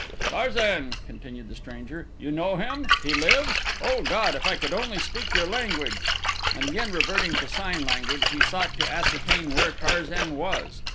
"Tarzan," continued the stranger, "you know him? He lives? O God, if I could only speak your language." And again reverting to sign language he sought to ascertain where Tarzan was.